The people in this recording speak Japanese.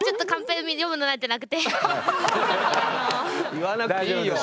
言わなくていいよ。